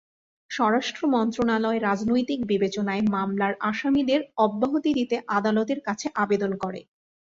স্বরাষ্ট্র মন্ত্রণালয় রাজনৈতিক বিবেচনায় মামলার আসামিদের অব্যাহতি দিতে আদালতের কাছে আবেদন করে।